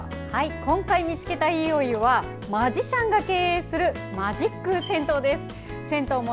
今回見つけたいいお湯はマジシャンが経営するマジック銭湯です。